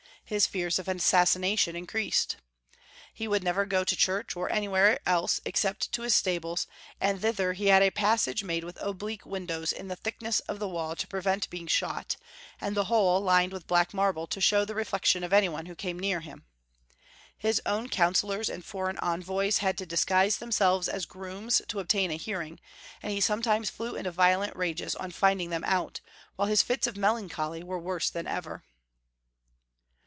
His fears of assassination increased. He would never go to church, or anywhere else except to his stables, and thither he had a passage made with oblique Avindows 820 Young Folks* History of Germany. in the thickness of the wall to prevent being shot, and the whole lined with black marble, to show the reflection of any one who came near him. His own counsellors and foreign envoys had to disguise themselves as grooms to obtain a hearing, and lie sometimes flew into violent rages on finding them out, while his fits of melancholy were worse than ever.